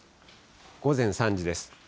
午前３時です。